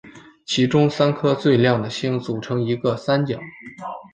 其中三颗最亮的星组成一个三角。